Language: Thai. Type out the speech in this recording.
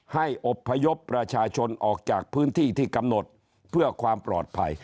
อบพยพประชาชนออกจากพื้นที่ที่กำหนดเพื่อความปลอดภัย